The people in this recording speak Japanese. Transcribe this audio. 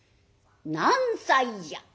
「何歳じゃ？」。